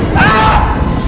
ibu tahu nggak